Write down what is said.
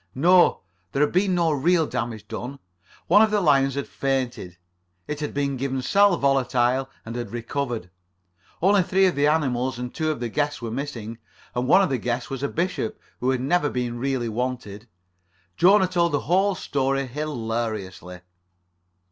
No, there had been no real damage done. One of the lions had fainted. It had been given sal volatile, and had recovered. Only three of the animals and two of the guests were missing. And one of the guests was a Bishop who had never been really wanted. Jona told the whole story hilariously.